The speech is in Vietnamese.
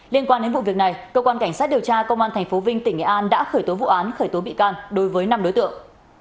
liên quan đến vụ việc này cơ quan cảnh sát điều tra công an tp vinh tỉnh nghệ an đã khởi tố vụ án khởi tố bị can đối với năm đối tượng